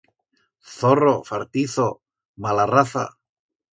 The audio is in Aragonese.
Zorro, fartizo, mala raza!